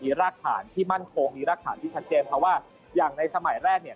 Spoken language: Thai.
มีรากฐานที่มั่นคงมีรากฐานที่ชัดเจนเพราะว่าอย่างในสมัยแรกเนี่ย